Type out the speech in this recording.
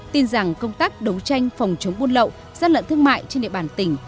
tin rằng công tác đấu tranh phòng chống buôn lậu gian lận thương mại trên địa bàn tỉnh